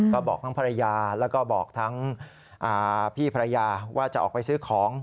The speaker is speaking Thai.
ก็บอกทั้งภรรยาแล้วก็บอกทั้งพี่ภรรยาว่าจะออกไปซื้อของ